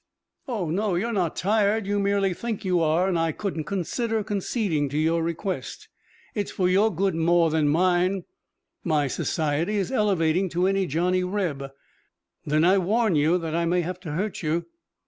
"Oh, no, you're not tired. You merely think you are, and I couldn't consider conceding to your request. It's for your good more than mine. My society is elevating to any Johnny Reb." "Then I warn you that I may have to hurt you."